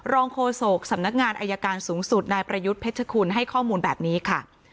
โฆษกสำนักงานอายการสูงสุดนายประยุทธ์เพชรคุณให้ข้อมูลแบบนี้ค่ะ